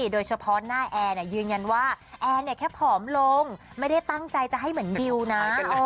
หัวหน้าแอร์ยืนยันว่าแอร์แค่ผอมลงไม่ได้ตั้งใจจะให้เหมือนดิวนะ